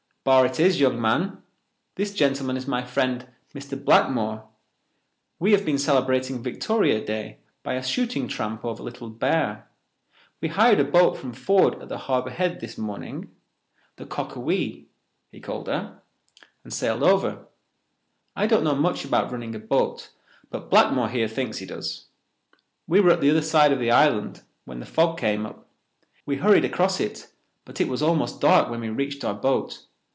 "Barr it is, young man. This gentleman is my friend, Mr. Blackmore. We have been celebrating Victoria Day by a shooting tramp over Little Bear. We hired a boat from Ford at the Harbour Head this morning—the Cockawee, he called her—and sailed over. I don't know much about running a boat, but Blackmore here thinks he does. We were at the other side of the island when the fog came up. We hurried across it, but it was almost dark when we reached our boat.